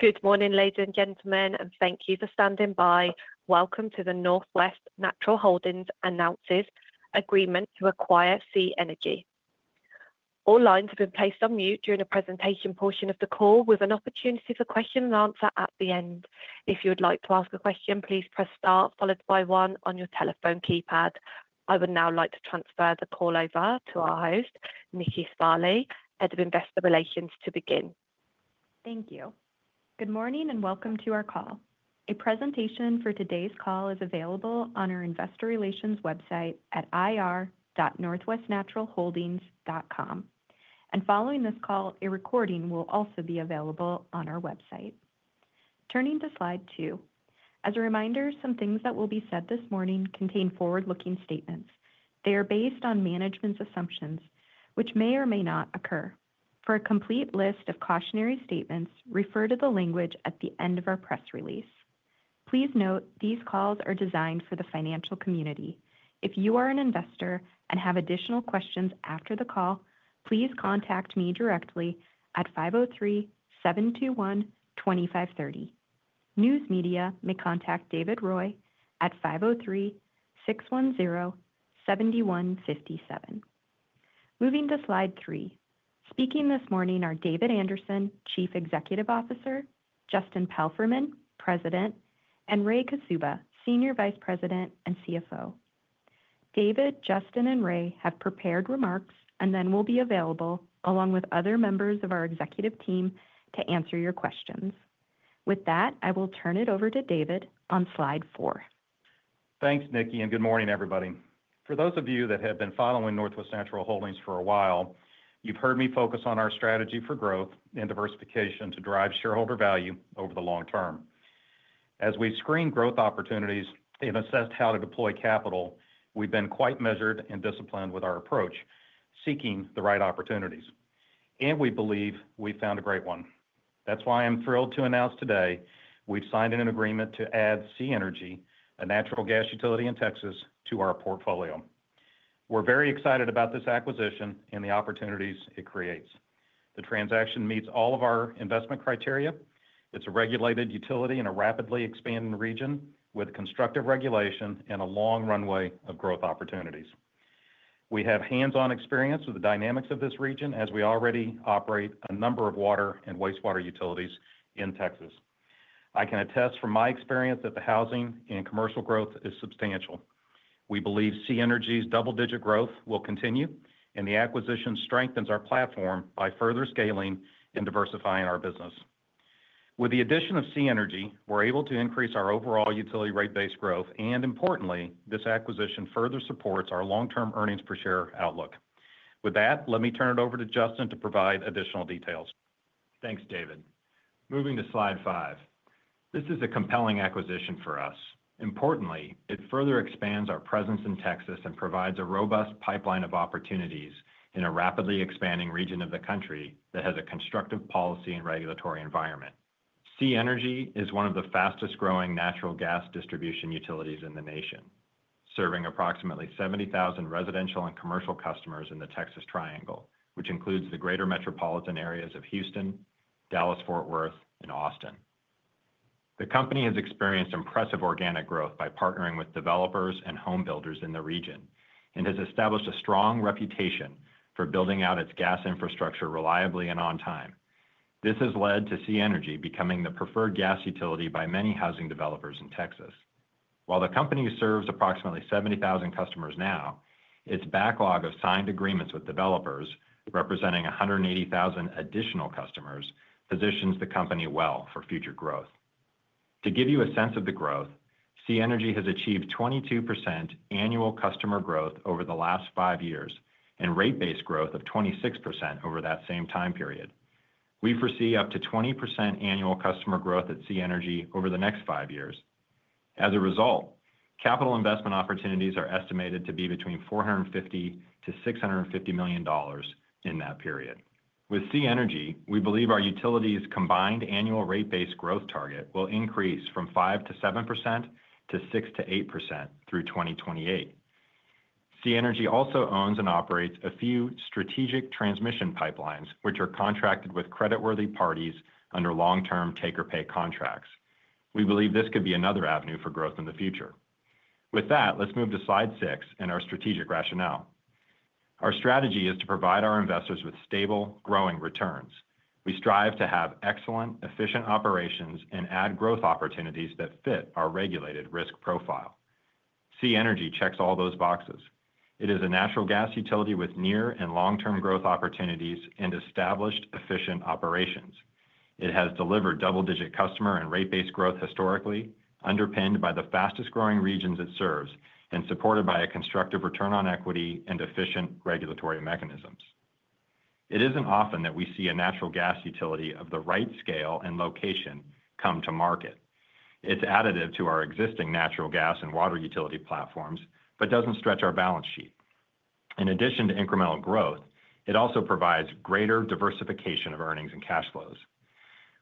Good morning, ladies and gentlemen, and thank you for standing by. Welcome to the Northwest Natural Holdings Announces Agreement to Acquire SiEnergy. All lines have been placed on mute during the presentation portion of the call, with an opportunity for question and answer at the end. If you would like to ask a question, please press star, followed by one on your telephone keypad. I would now like to transfer the call over to our host, Nikki Sparley, Head of Investor Relations, to begin. Thank you. Good morning and welcome to our call. A presentation for today's call is available on our investor relations website at ir.northwestnaturalholdings.com, and following this call, a recording will also be available on our website. Turning to slide two. As a reminder, some things that will be said this morning contain forward-looking statements. They are based on management's assumptions, which may or may not occur. For a complete list of cautionary statements, refer to the language at the end of our press release. Please note these calls are designed for the financial community. If you are an investor and have additional questions after the call, please contact me directly at 503-721-2530. News media may contact David Roy at 503-610-7157. Moving to slide three. Speaking this morning are David Anderson, Chief Executive Officer, Justin Palfreyman, President, and Ray Kaszuba, Senior Vice President and CFO. David, Justin, and Ray have prepared remarks and then will be available along with other members of our executive team to answer your questions. With that, I will turn it over to David on slide four. Thanks, Nikki, and good morning, everybody. For those of you that have been following Northwest Natural Holdings for a while, you've heard me focus on our strategy for growth and diversification to drive shareholder value over the long term. As we screened growth opportunities and assessed how to deploy capital, we've been quite measured and disciplined with our approach, seeking the right opportunities. We believe we found a great one. That's why I'm thrilled to announce today we've signed an agreement to add SiEnergy, a natural gas utility in Texas, to our portfolio. We're very excited about this acquisition and the opportunities it creates. The transaction meets all of our investment criteria. It's a regulated utility in a rapidly expanding region with constructive regulation and a long runway of growth opportunities. We have hands-on experience with the dynamics of this region, as we already operate a number of water and wastewater utilities in Texas. I can attest from my experience that the housing and commercial growth is substantial. We believe SiEnergy's double-digit growth will continue, and the acquisition strengthens our platform by further scaling and diversifying our business. With the addition of SiEnergy, we're able to increase our overall utility rate-based growth, and importantly, this acquisition further supports our long-term earnings per share outlook. With that, let me turn it over to Justin to provide additional details. Thanks, David. Moving to slide five. This is a compelling acquisition for us. Importantly, it further expands our presence in Texas and provides a robust pipeline of opportunities in a rapidly expanding region of the country that has a constructive policy and regulatory environment. SiEnergy is one of the fastest-growing natural gas distribution utilities in the nation, serving approximately 70,000 residential and commercial customers in the Texas Triangle, which includes the greater metropolitan areas of Houston, Dallas-Fort Worth, and Austin. The company has experienced impressive organic growth by partnering with developers and homebuilders in the region and has established a strong reputation for building out its gas infrastructure reliably and on time. This has led to SiEnergy becoming the preferred gas utility by many housing developers in Texas. While the company serves approximately 70,000 customers now, its backlog of signed agreements with developers representing 180,000 additional customers positions the company well for future growth. To give you a sense of the growth, SiEnergy has achieved 22% annual customer growth over the last five years and rate-based growth of 26% over that same time period. We foresee up to 20% annual customer growth at SiEnergy over the next five years. As a result, capital investment opportunities are estimated to be between $450 million-$650 million in that period. With SiEnergy, we believe our utility's combined annual rate-based growth target will increase from 5%-7% to 6%-8% through 2028. SiEnergy also owns and operates a few strategic transmission pipelines, which are contracted with creditworthy parties under long-term take-or-pay contracts. We believe this could be another avenue for growth in the future. With that, let's move to slide six and our strategic rationale. Our strategy is to provide our investors with stable, growing returns. We strive to have excellent, efficient operations and add growth opportunities that fit our regulated risk profile. SiEnergy checks all those boxes. It is a natural gas utility with near and long-term growth opportunities and established, efficient operations. It has delivered double-digit customer and rate-based growth historically, underpinned by the fastest-growing regions it serves and supported by a constructive return on equity and efficient regulatory mechanisms. It isn't often that we see a natural gas utility of the right scale and location come to market. It's additive to our existing natural gas and water utility platforms but doesn't stretch our balance sheet. In addition to incremental growth, it also provides greater diversification of earnings and cash flows.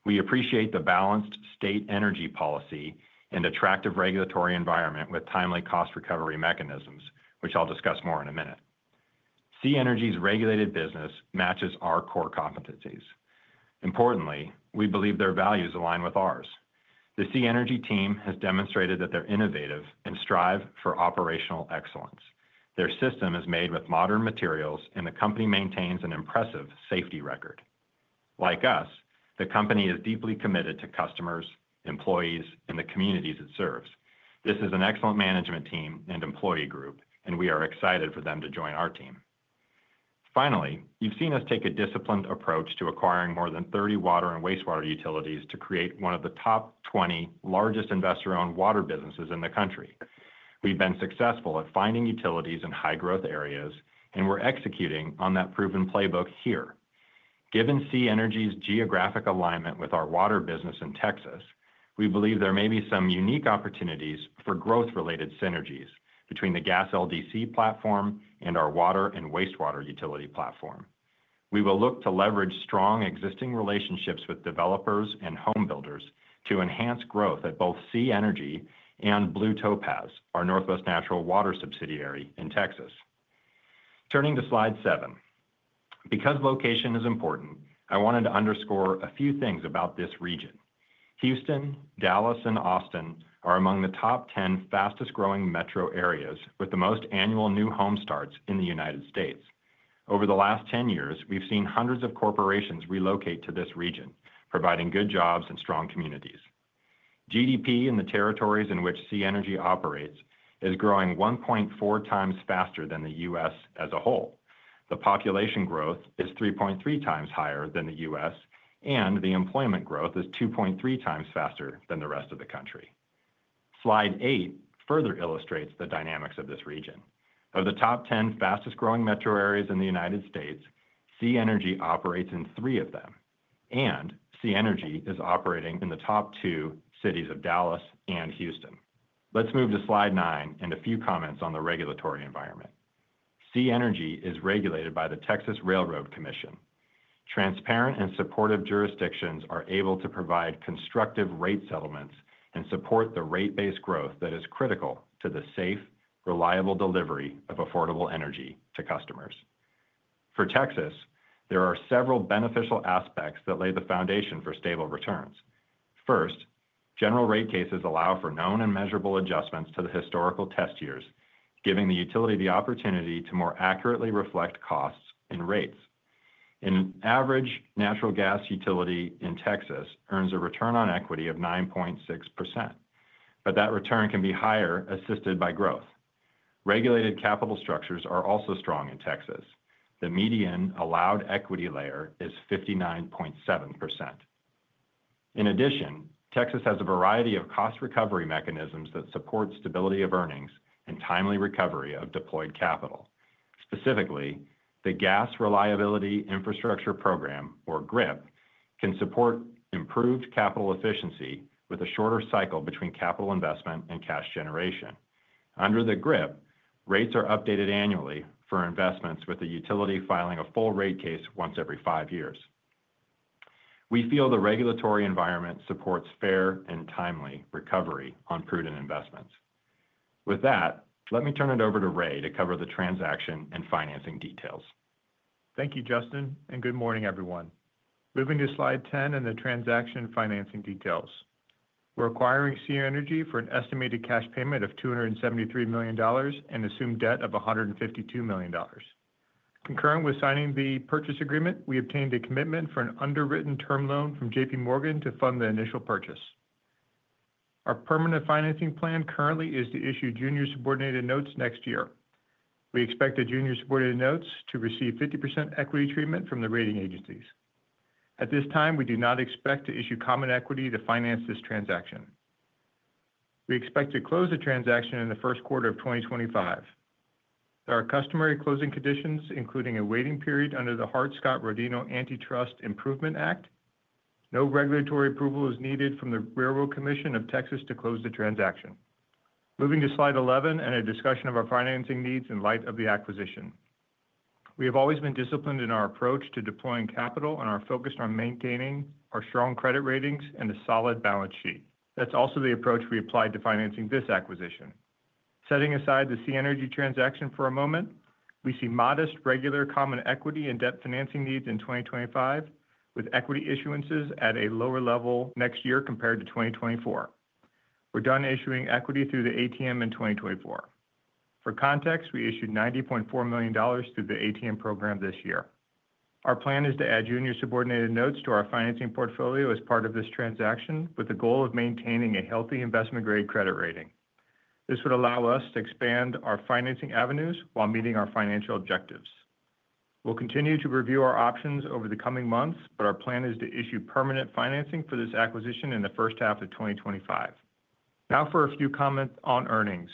We appreciate the balanced state energy policy and attractive regulatory environment with timely cost recovery mechanisms, which I'll discuss more in a minute. SiEnergy's regulated business matches our core competencies. Importantly, we believe their values align with ours. The SiEnergy team has demonstrated that they're innovative and strive for operational excellence. Their system is made with modern materials, and the company maintains an impressive safety record. Like us, the company is deeply committed to customers, employees, and the communities it serves. This is an excellent management team and employee group, and we are excited for them to join our team. Finally, you've seen us take a disciplined approach to acquiring more than 30 water and wastewater utilities to create one of the top 20 largest investor-owned water businesses in the country. We've been successful at finding utilities in high-growth areas, and we're executing on that proven playbook here. Given SiEnergy's geographic alignment with our water business in Texas, we believe there may be some unique opportunities for growth-related synergies between the gas LDC platform and our water and wastewater utility platform. We will look to leverage strong existing relationships with developers and homebuilders to enhance growth at both SiEnergy and Blue Topaz, our Northwest Natural Water subsidiary in Texas. Turning to slide seven. Because location is important, I wanted to underscore a few things about this region. Houston, Dallas, and Austin are among the top 10 fastest-growing metro areas with the most annual new home starts in the United States. Over the last 10 years, we've seen hundreds of corporations relocate to this region, providing good jobs and strong communities. GDP in the territories in which SiEnergy operates is growing 1.4 times faster than the U.S. as a whole. The population growth is 3.3 times higher than the U.S., and the employment growth is 2.3 times faster than the rest of the country. Slide eight further illustrates the dynamics of this region. Of the top 10 fastest-growing metro areas in the United States, SiEnergy operates in three of them, and SiEnergy is operating in the top two cities of Dallas and Houston. Let's move to slide nine and a few comments on the regulatory environment. SiEnergy is regulated by the Railroad Commission of Texas. Transparent and supportive jurisdictions are able to provide constructive rate settlements and support the rate-based growth that is critical to the safe, reliable delivery of affordable energy to customers. For Texas, there are several beneficial aspects that lay the foundation for stable returns. First, general rate cases allow for known and measurable adjustments to the historical test years, giving the utility the opportunity to more accurately reflect costs and rates. An average natural gas utility in Texas earns a return on equity of 9.6%, but that return can be higher assisted by growth. Regulated capital structures are also strong in Texas. The median allowed equity layer is 59.7%. In addition, Texas has a variety of cost recovery mechanisms that support stability of earnings and timely recovery of deployed capital. Specifically, the Gas Reliability Infrastructure Program, or GRIP, can support improved capital efficiency with a shorter cycle between capital investment and cash generation. Under the GRIP, rates are updated annually for investments, with the utility filing a full rate case once every five years. We feel the regulatory environment supports fair and timely recovery on prudent investments. With that, let me turn it over to Ray to cover the transaction and financing details. Thank you, Justin, and good morning, everyone. Moving to slide 10 and the transaction financing details. We're acquiring SiEnergy for an estimated cash payment of $273 million and assumed debt of $152 million. Concurrent with signing the purchase agreement, we obtained a commitment for an underwritten term loan from JPMorgan to fund the initial purchase. Our permanent financing plan currently is to issue junior subordinated notes next year. We expect the junior subordinated notes to receive 50% equity treatment from the rating agencies. At this time, we do not expect to issue common equity to finance this transaction. We expect to close the transaction in the first quarter of 2025. There are customary closing conditions, including a waiting period under the Hart-Scott-Rodino Antitrust Improvements Act. No regulatory approval is needed from the Railroad Commission of Texas to close the transaction. Moving to slide 11 and a discussion of our financing needs in light of the acquisition. We have always been disciplined in our approach to deploying capital, and our focus on maintaining our strong credit ratings and a solid balance sheet. That's also the approach we applied to financing this acquisition. Setting aside the SiEnergy transaction for a moment, we see modest regular common equity and debt financing needs in 2025, with equity issuances at a lower level next year compared to 2024. We're done issuing equity through the ATM in 2024. For context, we issued $90.4 million through the ATM program this year. Our plan is to add junior subordinated notes to our financing portfolio as part of this transaction, with the goal of maintaining a healthy investment-grade credit rating. This would allow us to expand our financing avenues while meeting our financial objectives. We'll continue to review our options over the coming months, but our plan is to issue permanent financing for this acquisition in the first half of 2025. Now for a few comments on earnings.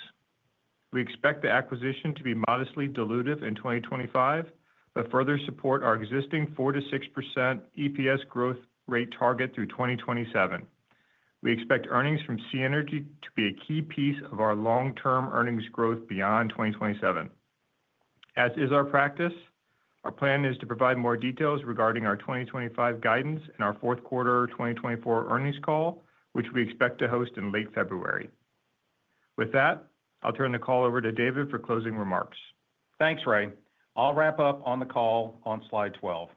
We expect the acquisition to be modestly dilutive in 2025, but further support our existing 4%-6% EPS growth rate target through 2027. We expect earnings from SiEnergy to be a key piece of our long-term earnings growth beyond 2027. As is our practice, our plan is to provide more details regarding our 2025 guidance and our fourth quarter 2024 earnings call, which we expect to host in late February. With that, I'll turn the call over to David for closing remarks. Thanks, Ray. I'll wrap up on the call on slide 12.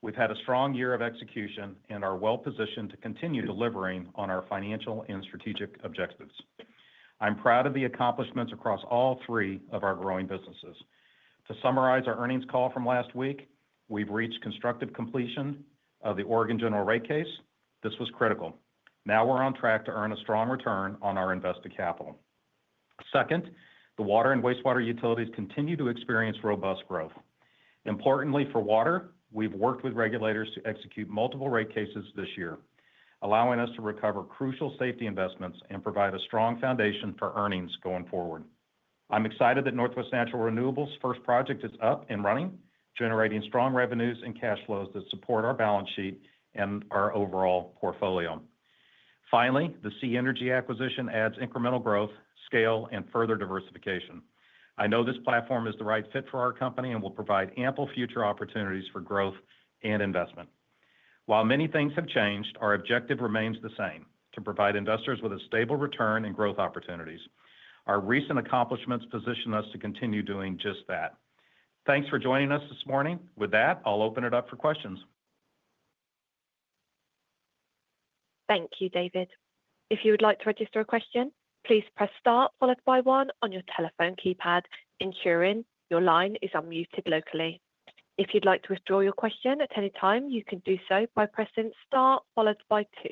We've had a strong year of execution and are well positioned to continue delivering on our financial and strategic objectives. I'm proud of the accomplishments across all three of our growing businesses. To summarize our earnings call from last week, we've reached constructive completion of the Oregon general rate case. This was critical. Now we're on track to earn a strong return on our invested capital. Second, the water and wastewater utilities continue to experience robust growth. Importantly for water, we've worked with regulators to execute multiple rate cases this year, allowing us to recover crucial safety investments and provide a strong foundation for earnings going forward. I'm excited that Northwest Natural Renewables' first project is up and running, generating strong revenues and cash flows that support our balance sheet and our overall portfolio. Finally, the SiEnergy acquisition adds incremental growth, scale, and further diversification. I know this platform is the right fit for our company and will provide ample future opportunities for growth and investment. While many things have changed, our objective remains the same: to provide investors with a stable return and growth opportunities. Our recent accomplishments position us to continue doing just that. Thanks for joining us this morning. With that, I'll open it up for questions. Thank you, David. If you would like to register a question, please press star followed by 1 on your telephone keypad, ensuring your line is unmuted locally. If you'd like to withdraw your question at any time, you can do so by pressing star followed by 2.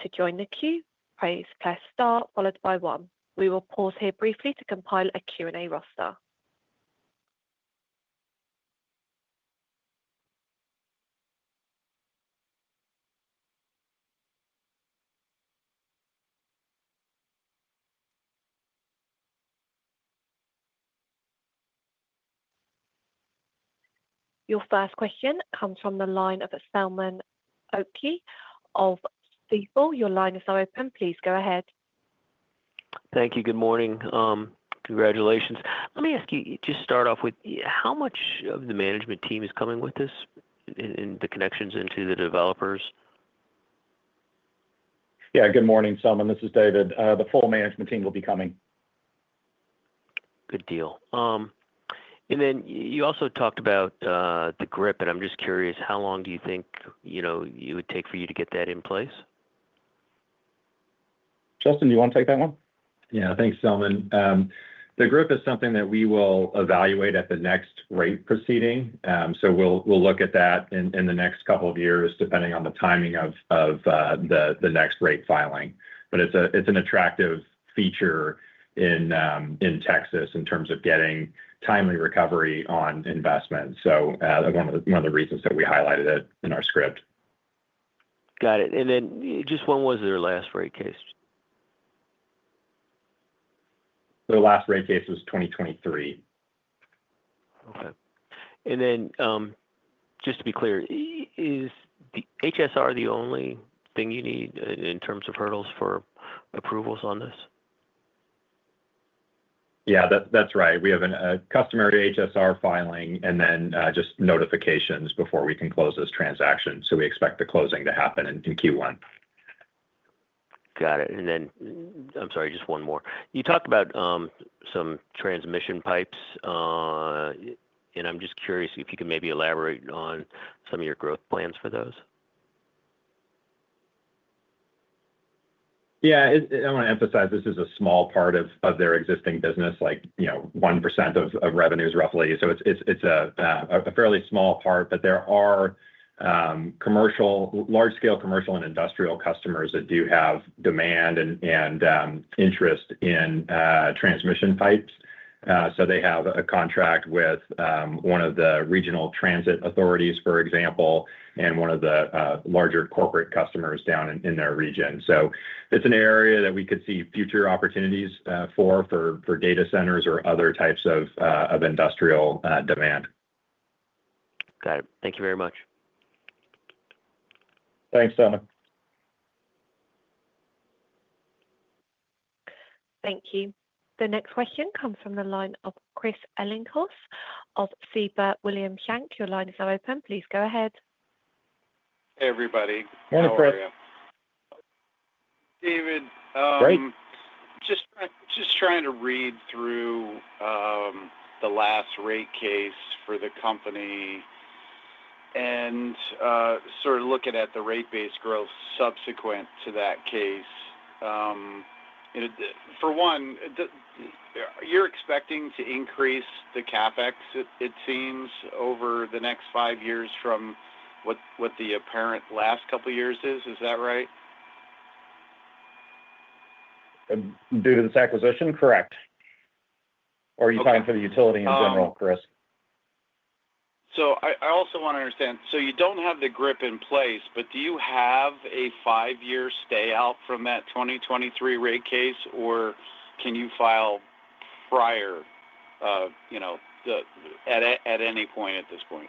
To join the queue, please press star followed by 1. We will pause here briefly to compile a Q&A roster. Your first question comes from the line of Selman Akyol of Stifel. Your line is now open. Please go ahead. Thank you. Good morning. Congratulations. Let me ask you, just start off with how much of the management team is coming with this and the connections into the developers? Yeah. Good morning, Selman. This is David. The full management team will be coming. Good deal. And then you also talked about the GRIP, and I'm just curious, how long do you think you would take for you to get that in place? Justin, do you want to take that one? Yeah. Thanks, Selman. The GRIP is something that we will evaluate at the next rate proceeding. So we'll look at that in the next couple of years, depending on the timing of the next rate filing. But it's an attractive feature in Texas in terms of getting timely recovery on investment. So one of the reasons that we highlighted it in our script. Got it. And then just when was their last rate case? The last rate case was 2023. Okay. And then just to be clear, is the HSR the only thing you need in terms of hurdles for approvals on this? Yeah, that's right. We have a customary HSR filing and then just notifications before we can close this transaction. So we expect the closing to happen in Q1. Got it. And then I'm sorry, just one more. You talked about some transmission pipes, and I'm just curious if you can maybe elaborate on some of your growth plans for those? Yeah. I want to emphasize this is a small part of their existing business, like 1% of revenues, roughly. So it's a fairly small part, but there are large-scale commercial and industrial customers that do have demand and interest in transmission pipes. So they have a contract with one of the regional transit authorities, for example, and one of the larger corporate customers down in their region. So it's an area that we could see future opportunities for, for data centers or other types of industrial demand. Got it. Thank you very much. Thanks, Selman. Thank you. The next question comes from the line of Chris Ellinghaus of Siebert Williams Shank. Your line is now open. Please go ahead. Hey, everybody. Morning, Chris. How are you? David, just trying to read through the last rate case for the company and sort of looking at the rate base growth subsequent to that case. For one, you're expecting to increase the CapEx, it seems, over the next five years from what the apparent last couple of years is. Is that right? Due to this acquisition? Correct. Or are you talking for the utility in general, Chris? So I also want to understand. So you don't have the GRIP in place, but do you have a five-year stay-out from that 2023 rate case, or can you file prior at any point at this point?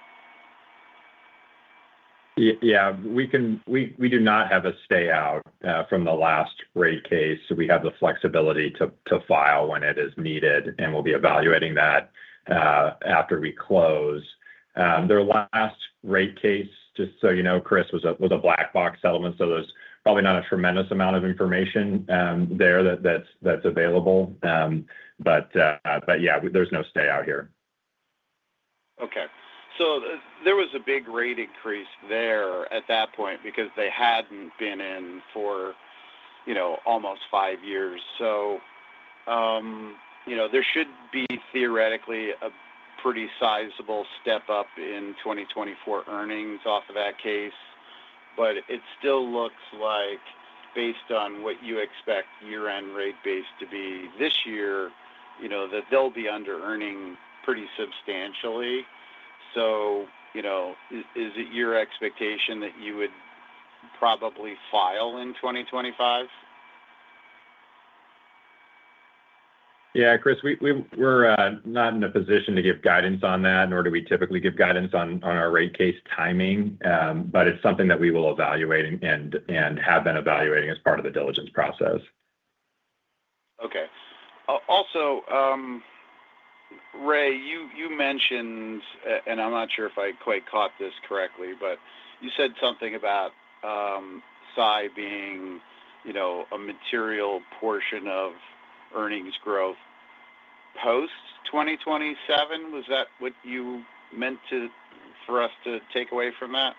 Yeah. We do not have a stay-out from the last rate case. So we have the flexibility to file when it is needed, and we'll be evaluating that after we close. Their last rate case, just so you know, Chris, was a black box settlement. So there's probably not a tremendous amount of information there that's available. But yeah, there's no stay-out here. Okay. So there was a big rate increase there at that point because they hadn't been in for almost five years. So there should be theoretically a pretty sizable step up in 2024 earnings off of that case. But it still looks like, based on what you expect year-end rate base to be this year, that they'll be under-earning pretty substantially. So is it your expectation that you would probably file in 2025? Yeah, Chris, we're not in a position to give guidance on that, nor do we typically give guidance on our rate case timing, but it's something that we will evaluate and have been evaluating as part of the diligence process. Okay. Also, Ray, you mentioned, and I'm not sure if I quite caught this correctly, but you said something about Si being a material portion of earnings growth post-2027. Was that what you meant for us to take away from that?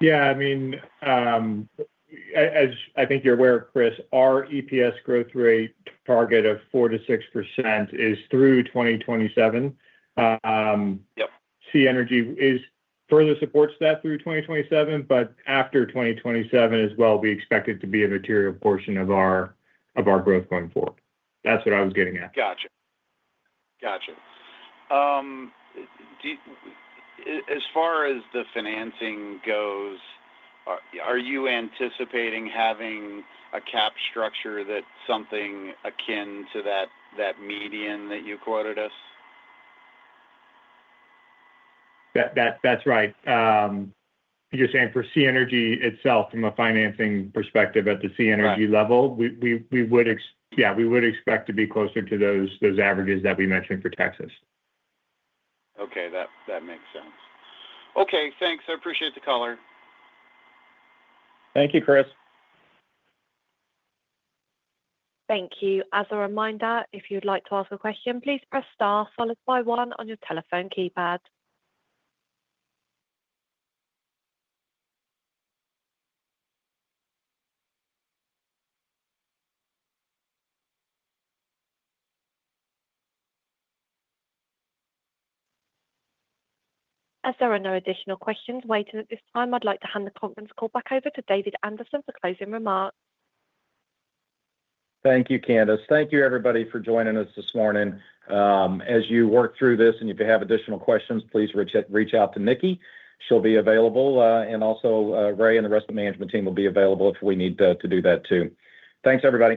Yeah. I mean, as I think you're aware, Chris, our EPS growth rate target of 4%-6% is through 2027. SiEnergy further supports that through 2027, but after 2027 as well, we expect it to be a material portion of our growth going forward. That's what I was getting at. Gotcha. Gotcha. As far as the financing goes, are you anticipating having a cap structure that's something akin to that median that you quoted us? That's right. You're saying for SiEnergy itself, from a financing perspective at the SiEnergy level, yeah, we would expect to be closer to those averages that we mentioned for Texas. Okay. That makes sense. Okay. Thanks. I appreciate the caller. Thank you, Chris. Thank you. As a reminder, if you'd like to ask a question, please press star followed by one on your telephone keypad. As there are no additional questions waiting at this time, I'd like to hand the conference call back over to David Anderson for closing remarks. Thank you, Candace. Thank you, everybody, for joining us this morning. As you work through this and if you have additional questions, please reach out to Nikki. She'll be available. And also, Ray and the rest of the management team will be available if we need to do that too. Thanks, everybody.